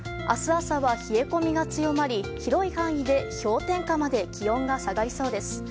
明日朝は、冷え込みが強まり広い範囲で氷点下まで気温が下がりそうです。